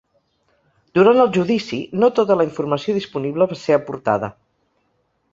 Durant el judici, ‘no tota la informació disponible va ser aportada’.